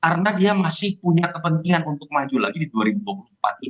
karena dia masih punya kepentingan untuk maju lagi di dua ribu dua puluh empat ini